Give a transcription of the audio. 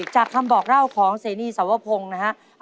จากคำบอกเล่าของเสนีสวพงศ์นะครับ